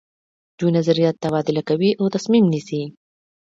دوی نظریات تبادله کوي او تصمیم نیسي.